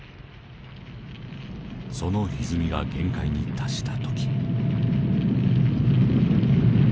そのひずみが限界に達した時。